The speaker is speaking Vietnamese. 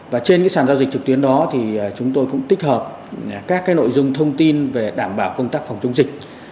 và trên sàn giao dịch trực tuyến đó thì chúng tôi cũng tích hợp các nội dung thông tin về đảm bảo công tác phòng chống dịch